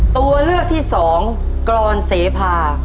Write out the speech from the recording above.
ตัวเลือกที่สองกรอนเสพา